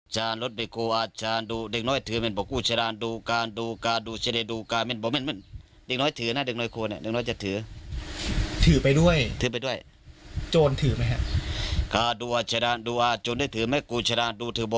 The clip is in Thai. โจรถือไหมครับ